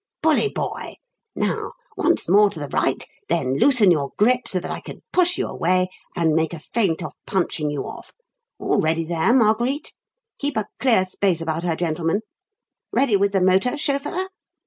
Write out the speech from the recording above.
Bully boy! Now, once more to the right, then loosen your grip so that I can push you away and make a feint of punching you off. All ready there, Marguerite? Keep a clear space about her, gentlemen. Ready with the motor, chauffeur?